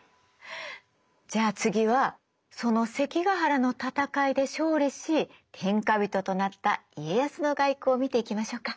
じゃあ次はその関ヶ原の戦いで勝利し天下人となった家康の外交を見ていきましょうか。